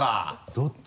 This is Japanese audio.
どっち？